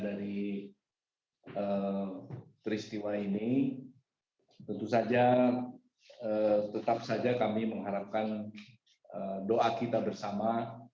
dari peristiwa ini tentu saja tetap saja kami mengharapkan doa kita bersama